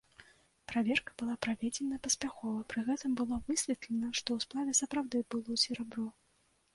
Праверка была праведзена паспяхова, пры гэтым было высветлена, што ў сплаве сапраўды было серабро.